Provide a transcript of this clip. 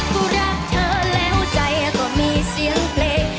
กูรักเธอแล้วใจก็มีเสียงเพลง